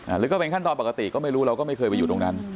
หรือก็เป็นขั้นตอนปกติก็ไม่รู้เราก็ไม่เคยไปอยู่ตรงนั้น